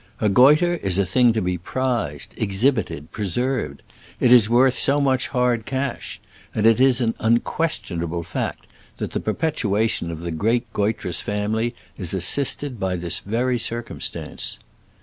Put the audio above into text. A goitre is a thing to be prized, exhibited, preserved — it is worth so much hard cash ; and it is an unquestionable fact that the per petuation of the great goitrous family is assisted by this very circumstance.